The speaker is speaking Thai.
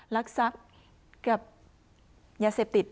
รักทรัพย์กับยาเสพติด